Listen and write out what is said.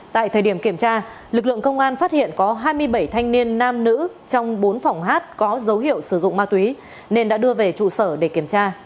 tại thời điểm kiểm tra lực lượng công an phát hiện có hai mươi bảy thanh niên nam nữ trong bốn phòng hát có dấu hiệu sử dụng ma túy nên đã đưa về trụ sở để kiểm tra